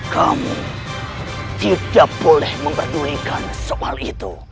kamu tidak boleh memperdulikan soal itu